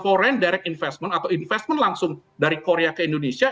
sementara untuk investasi foreign direct investment atau investment langsung dari korea ke indonesia